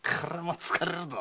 疲れるぜ！